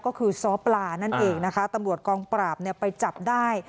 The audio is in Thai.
ก็คือซ้อปลานั่นเองนะคะตำรวจกองปราบเนี่ยไปจับได้